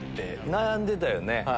悩んでたよね。